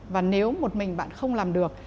và nếu một mình bạn không làm được